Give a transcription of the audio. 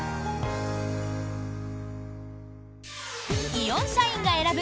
イオン社員が選ぶ